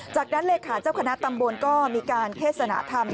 จากนั้นเลขาเจ้าคณะตำบลก็มีการเทศนธรรม